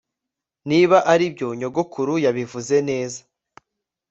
Niba aribyo nyogokuru yabivuze neza